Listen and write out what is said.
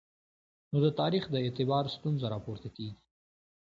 نو د تاریخ د اعتبار ستونزه راپورته کېږي.